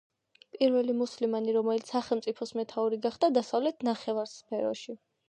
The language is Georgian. პირველი მუსულმანი, რომელიც სახელმწიფოს მეთაური გახდა დასავლეთ ნახევარსფეროში.